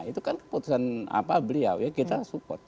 itu kan keputusan apa beliau ya kita support